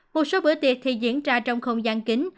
một số bữa tiệc thì diễn ra trong không gian kính